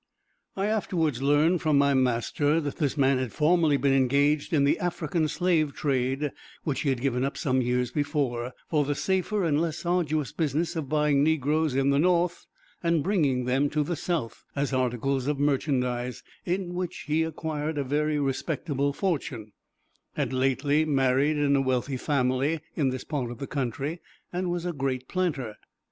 I afterwards learned from my master that this man had formerly been engaged in the African slave trade, which he had given up some years before, for the safer and less arduous business of buying negroes in the North, and bringing them to the South, as articles of merchandise, in which he had acquired a very respectable fortune had lately married in a wealthy family, in this part of the country, and was a great planter.